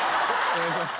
お願いします。